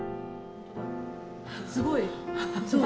すごい！超！